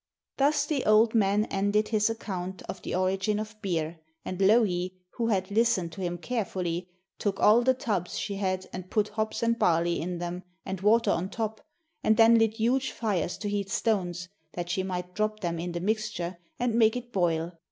Thus the old man ended his account of the origin of beer, and Louhi, who had listened to him carefully, took all the tubs she had and put hops and barley in them, and water on top, and then lit huge fires to heat stones, that she might drop them in the mixture and make it boil.